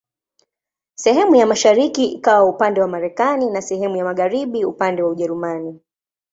Sehemu ya mashariki ikawa upande wa Marekani na sehemu ya magharibi upande wa Ujerumani.